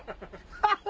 ハハハハ！